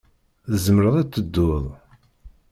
Tzemreḍ ad tedduḍ?